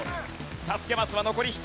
助けマスは残り１つ。